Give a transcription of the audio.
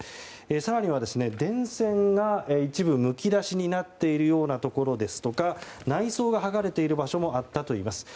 更には、電線が一部むき出しになっているようなところですとか内装が剥がれている場所もあったということです。